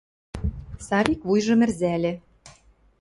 Савик вуйжым ӹрзӓльӹ.